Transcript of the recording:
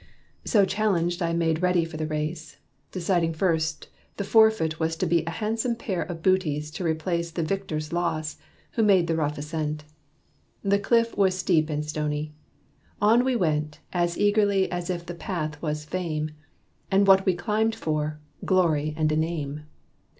So challenged I made ready for the race, Deciding first the forfeit was to be A handsome pair of bootees to replace The victor's loss who made the rough ascent. The cliff was steep and stony. On we went As eagerly as if the path was Fame, And what we climbed for, glory and a name.